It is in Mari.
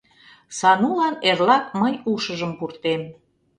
Санулан эрлак мый ушыжым пуртем!..